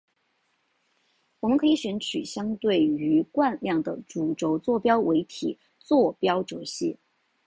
我们可以选取相对于惯量的主轴坐标为体坐标轴系。